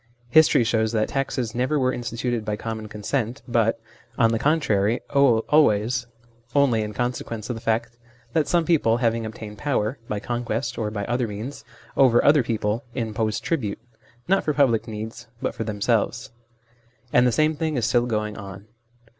History shows that taxes never were instituted by common consent, but, on the contrary, always only in consequence of the fact that some people having obtained power (by conquest or by other means) over other people, imposed tribute, not for public needs, but for themselves. And the same thing is still going on.